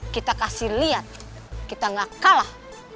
kita kasih lihat kita gak kalah